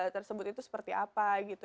tersebut itu seperti apa gitu